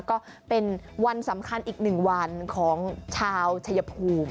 ก็เป็นวันสำคัญอีก๑วันของชาวชายภูมิ